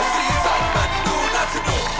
สีสันมันดูน่าสนุก